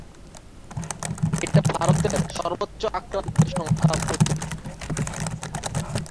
এটা ভারত এর সর্বোচ্চ আক্রান্তের সংখ্যা পত্রিকা।